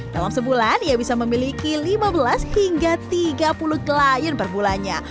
dalam sebulan ia bisa memiliki lima belas hingga tiga puluh klien per bulannya